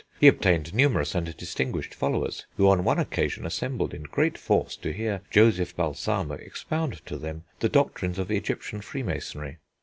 He obtained numerous and distinguished followers, who on one occasion assembled in great force to hear Joseph Balsamo expound to them the doctrines of Egyptian freemasonry.